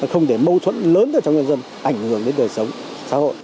không để mâu thuẫn lớn trong nhân dân ảnh hưởng đến đời sống xã hội